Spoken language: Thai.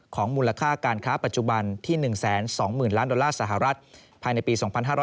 ของมูลค่าการค้าปัจจุบันที่๑๒๐๐๐๐ล้านบาทสหรัฐภายในปี๒๕๖๓